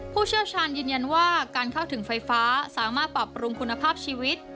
ผู้เชี่ยวชาญยืนยันว่าการเข้าถึงไฟฟ้าสามารถปรับปรุงคุณภาพชีวิต